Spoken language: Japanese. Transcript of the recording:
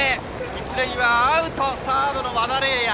一塁はアウトサードの和田麗哉。